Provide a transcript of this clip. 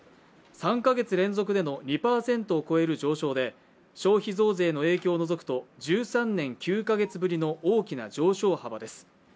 ３カ月連続での２％を超える上昇で消費増税の影響を除くと１３年９カ月ぶりの大きな上昇幅です。